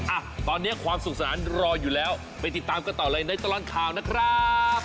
อ่ะตอนนี้ความสุขสนานรออยู่แล้วไปติดตามกันต่อเลยในตลอดข่าวนะครับ